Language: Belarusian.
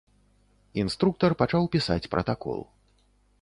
Інструктар пачаў пісаць пратакол.